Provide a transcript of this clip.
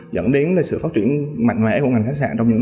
dẫn đến sự phát triển mạnh mẽ của ngành khách sạn